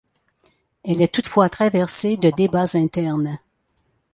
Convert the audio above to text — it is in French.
Elle est toutefois traversée de débats internes.